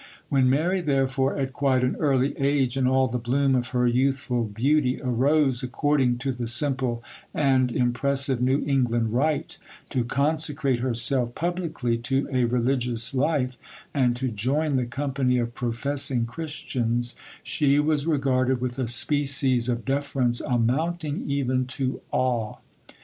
When Mary, therefore, at quite an early age, in all the bloom of her youthful beauty, arose, according to the simple and impressive New England rite, to consecrate herself publicly to a religious life, and to join the company of professing Christians, she was regarded with a species of deference amounting even to awe.